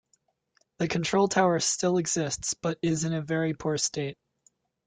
The control tower still exists, but is in a very poor state.